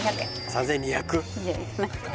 ３２００？